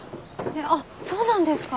あっそうなんですか？